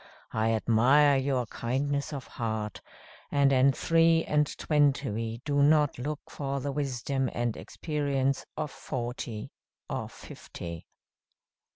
I admire your kindness of heart; and in three and twenty we do not look for the wisdom and experience of forty or fifty."